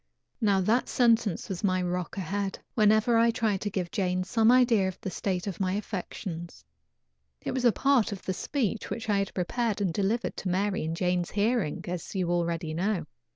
Now that sentence was my rock ahead, whenever I tried to give Jane some idea of the state of my affections. It was a part of the speech which I had prepared and delivered to Mary in Jane's hearing, as you already know.